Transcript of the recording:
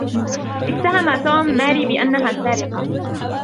اتهم توم ماري بأنها سارقة.